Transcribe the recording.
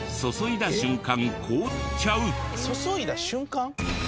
注いだ瞬間